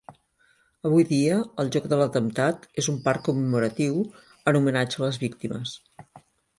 Avui dia el lloc de l'atemptat és un parc commemoratiu, en homenatge a les víctimes.